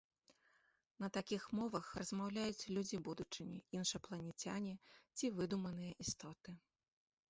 На такіх мовах размаўляюць людзі будучыні, іншапланецяне ці выдуманыя істоты.